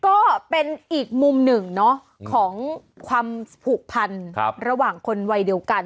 ก็เป็นอีกมุมหนึ่งของความผูกพันระหว่างคนวัยเดียวกัน